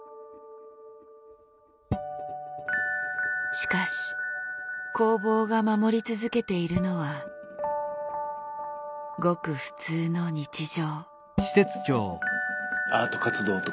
しかし工房が守り続けているのはごく普通の日常。